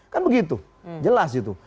kan begitu jelas gitu